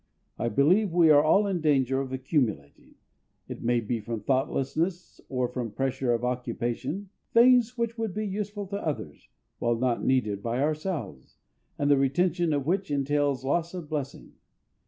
I believe we are all in danger of accumulating it may be from thoughtlessness, or from pressure of occupation things which would be useful to others, while not needed by ourselves, and the retention of which entails loss of blessing.